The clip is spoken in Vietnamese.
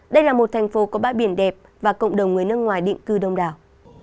đây là một thành phố có bãi biển đẹp và cộng đồng người nước ngoài định cư đông đảo